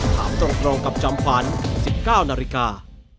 ถามตรงกับจอมขวัญ๑๙นาฬิกา